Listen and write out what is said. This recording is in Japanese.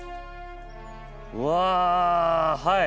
うわはい。